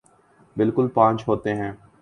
بالکل پانچ ہوتے ہیں